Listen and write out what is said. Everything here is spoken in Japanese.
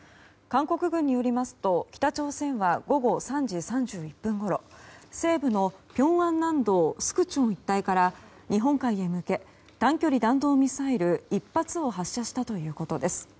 韓国軍によりますと北朝鮮は午後３時３１分ごろ西部のピョンアン南道スクチョン一帯から日本海へ向け短距離弾道ミサイル１発を発射したということです。